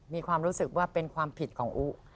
มีความรู้สึกว่าเป็นความผิดของอุ